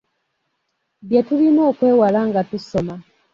Bye tulina okwewala nga tusoma